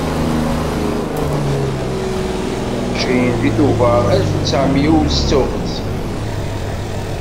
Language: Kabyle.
Yettwaṭṭef ass n tniyen uɛecrin deg tubeṛ Alef u ṭṭɛemya u setta u xemsin.